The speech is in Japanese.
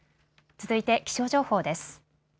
続いて気象情報です。